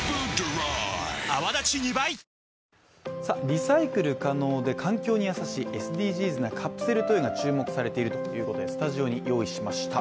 リサイクル可能で環境に優しいＳＤＧｓなカプセルトイが注目されているということでスタジオに用意しました。